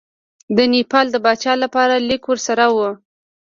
د نیپال د پاچا لپاره لیک ورسره وو.